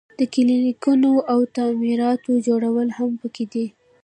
د کلینیکونو او تعمیراتو جوړول هم پکې دي.